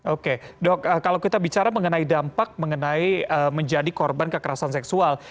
oke dok kalau kita bicara mengenai dampak mengenai menjadi korban kekerasan seksual